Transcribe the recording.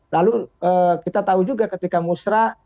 lalu kita tahu juga ketika musrah